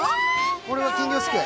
俺は金魚すくい。